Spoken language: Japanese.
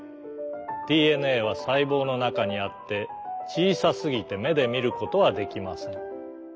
ＤＮＡはさいぼうのなかにあってちいさすぎてめでみることはできません。